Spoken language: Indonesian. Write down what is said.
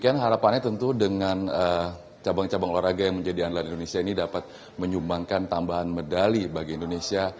kan harapannya tentu dengan cabang cabang olahraga yang menjadi andalan indonesia ini dapat menyumbangkan tambahan medali bagi indonesia